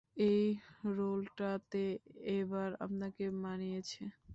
এই রোলটাতে এবার আপনাকে মানিয়েছে!